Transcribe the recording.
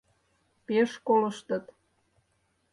Пеш «колыштыт».